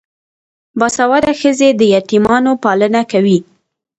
باسواده ښځې د یتیمانو پالنه کوي.